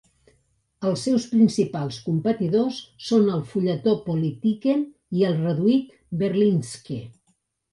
Els seus principals competidors són el fulletó "Politiken" i el reduït "Berlingske".